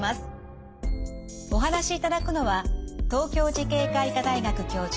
お話しいただくのは東京慈恵会医科大学教授